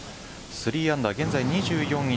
３アンダー現在２４位